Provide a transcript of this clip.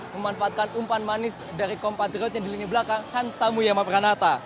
memanfaatkan umpan manis dari kompatirot yang di lini belakang hans samuyama pranata